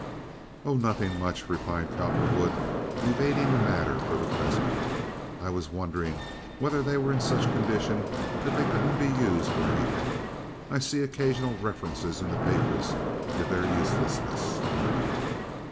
"Oh, nothing much," replied Cowperwood, evading the matter for the present. "I was wondering whether they were in such condition that they couldn't be used for anything. I see occasional references in the papers to their uselessness."